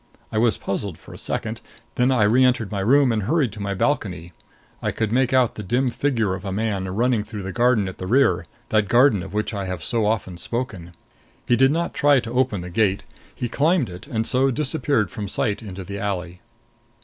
I was puzzled for a second; then I reentered my room and hurried to my balcony. I could make out the dim figure of a man running through the garden at the rear that garden of which I have so often spoken. He did not try to open the gate; he climbed it, and so disappeared from sight into the alley.